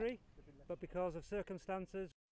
nhưng vì tình huống